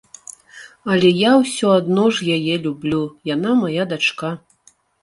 Але я ўсё адно ж яе люблю, яна мая дачка.